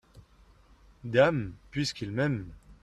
Dame, puisqu’il m’aime.